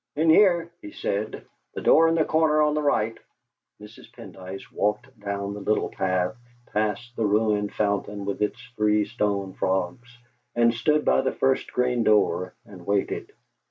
"In here," he said; "the door in the corner on the right." Mrs. Pendyce walked down the little path, past the ruined fountain with its three stone frogs, and stood by the first green door and waited.